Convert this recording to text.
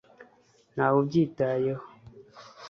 ntawe ubyitayeho